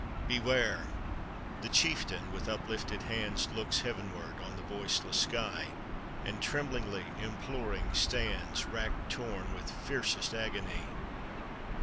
beware!" The chieftain, with uplifted hands, Looks heav'nward on the voiceless sky, And tremblingly imploring stands, Rack torn with fiercest agony.